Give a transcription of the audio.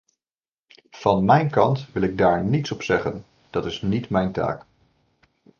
Van mijn kant wil ik daar niets op zeggen, dat is niet mijn taak.